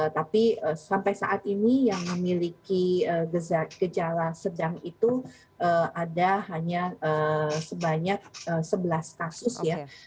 tapi sampai saat ini yang memiliki gejala sedang itu ada hanya sebanyak sebelas kasus ya